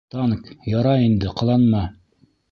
Танк, ярай инде, ҡыланма.